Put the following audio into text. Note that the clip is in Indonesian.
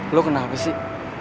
lo kenapa sih